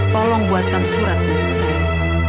tolong buatkan surat untuk saya